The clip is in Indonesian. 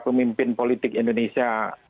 pemimpin politik indonesia